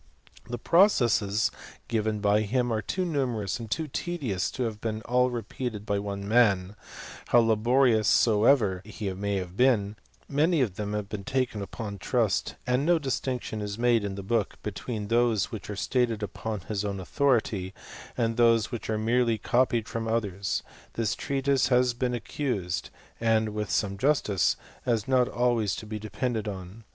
The processes given by him are too numerous and too tedious to have been all repeated by one man, how laborious soever he may have been : many of them have been taken upon trust, and, as no distinction is made in the book, be tween those which are stated upon his own authority and those which are merely copied from others, this treatise has been accused, and with some justice, as not always to be depended on.